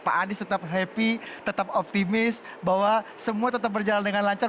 pak anies tetap happy tetap optimis bahwa semua tetap berjalan dengan lancar